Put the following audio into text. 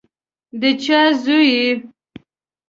د چا زوی یې؟